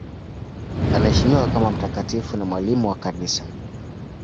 Anaheshimiwa kama mtakatifu na mwalimu wa Kanisa.